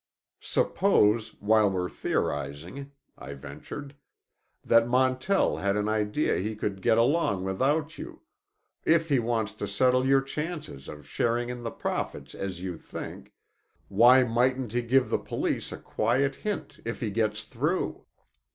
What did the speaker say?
"Suppose—while we're theorizing," I ventured, "that Montell had an idea he could get along without you—if he wants to settle your chances of sharing in the profits, as you think—why mightn't he give the Police a quiet hint, if he gets through?"